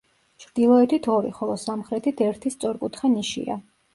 ჩრდილოეთით ორი, ხოლო სამხრეთით, ერთი სწორკუთხა ნიშია.